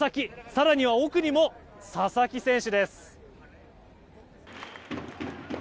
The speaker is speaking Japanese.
更には奥にも佐々木選手です。